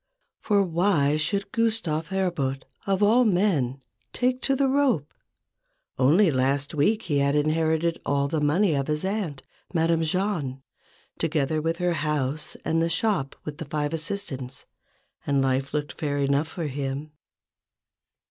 For why should Gustave Herbout, of all men, take to the rope ? Only last week he had inherited all the money of his aunt, Madame Jahn, together with her house and the shop with the five assistants, and life looked fair enough for him.